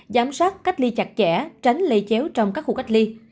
giám sát cách ly chặt chẽ tránh lây chéo trong các khu cách ly